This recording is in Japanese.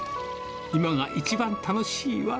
今が一番楽しいわ。